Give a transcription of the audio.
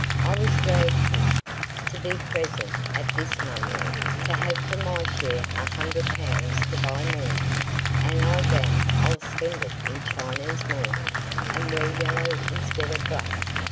I was dragged here to be present at this mummery, to have for my share a hundred pounds to buy mourning, and I vow I'll spend it in Chinese mourning, and wear yellow instead of black.